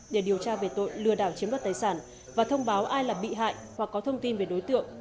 để điều tra về tội lừa đảo chiếm đoạt tài sản và thông báo ai là bị hại hoặc có thông tin về đối tượng